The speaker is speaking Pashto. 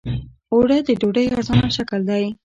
اوړه د ډوډۍ ارزانه شکل دی